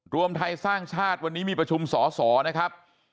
รวมไทยสร้างชาติวันนี้มีประชุมสอสอนะครับ